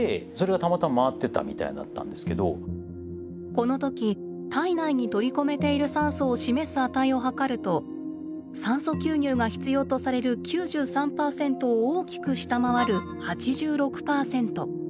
この時体内に取り込めている酸素を示す値をはかると酸素吸入が必要とされる９３％を大きく下回る８６％。